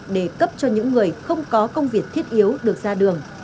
để cấp cho những người không có công việc thiết yếu được ra đường